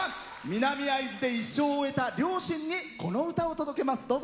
南会津で一生を終えた両親にこの歌を届けます。